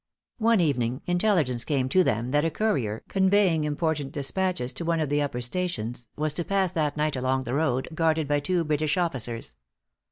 One evening intelligence came to them that a courier, conveying important despatches to one of the upper stations, was to pass that night along the road, guarded by two British officers.